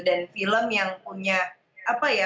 dan film yang punya apa ya